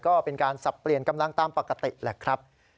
ก็เป็นการสับเปลี่ยนกำลังตามปกติแหละครับ